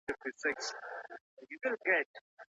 د جبري نکاح ضررونه بايد په ګوته سي.